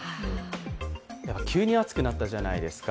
急に暑くなったじゃないですか。